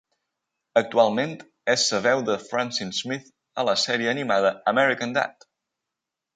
Actualment és la veu de Francine Smith a la sèrie animada American Dad!